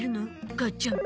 母ちゃん。